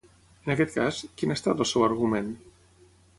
En aquest cas, quin ha estat el seu argument?